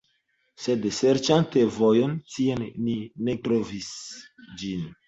Sed serĉante vojon tien, ni ne trovis ĝin.